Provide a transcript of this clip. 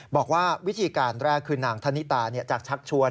บอกว่าวิธีการแรกคือนางธนิตาจะชักชวน